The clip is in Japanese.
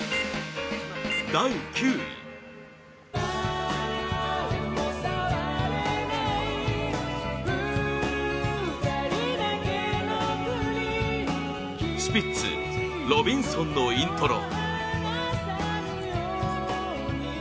第９位スピッツ「ロビンソン」のイントロ